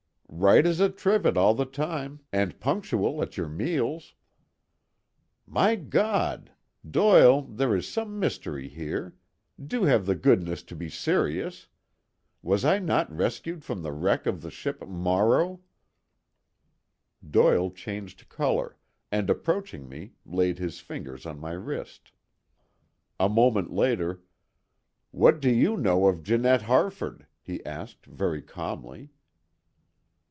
"Right as a trivet all the time, and punctual at your meals." "My God! Doyle, there is some mystery here; do have the goodness to be serious. Was I not rescued from the wreck of the ship Morrow?" Doyle changed color, and approaching me, laid his fingers on my wrist. A moment later, "What do you know of Janette Harford?" he asked very calmly.